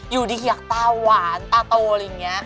อยู่ดีอยากตาหวานตาโตอะไรอย่างนี้